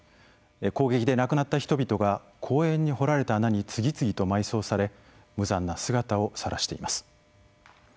攻撃で亡くなった人々が公園に掘られた穴に次々と埋葬され無残な姿をさらしています。